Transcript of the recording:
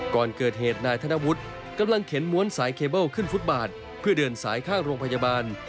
ก่อนเกิดเหตุนายธนวุฒิกำลังเข็นม้วนสายเคเบิ้ลขึ้นฟุตบาทเพื่อเดินสายเข้าโรงพยาบาล